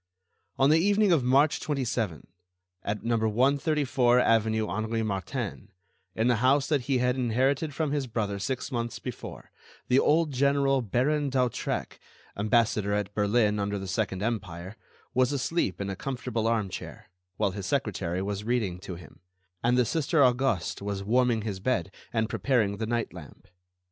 On the evening of March 27, at number 134 avenue Henri Martin, in the house that he had inherited from his brother six months before, the old general Baron d'Hautrec, ambassador at Berlin under the second Empire, was asleep in a comfortable armchair, while his secretary was reading to him, and the Sister Auguste was warming his bed and preparing the night lamp.